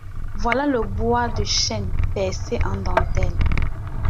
Voilà le bois de chêne percé en dentelle.